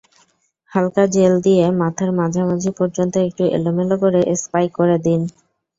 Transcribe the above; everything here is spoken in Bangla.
হালকা জেল দিয়ে মাথার মাঝামাঝি পর্যন্ত একটু এলোমেলো করে স্পাইক করে দিন।